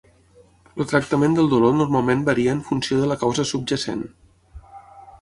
El tractament del dolor normalment varia en funció de la causa subjacent.